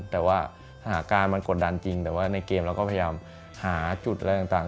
แต่ว่าสถานการณ์มันกดดันจริงแต่ว่าในเกมเราก็พยายามหาจุดอะไรต่าง